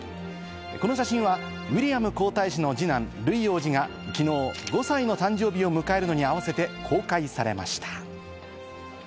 この写真はウィリアム皇太子の二男・ルイ王子が昨日５歳の誕生日を迎えるのにあわせて公開されました。